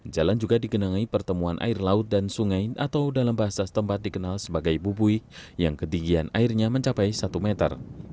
jalan juga dikenangi pertemuan air laut dan sungai atau dalam bahasa setempat dikenal sebagai bubuih yang ketinggian airnya mencapai satu meter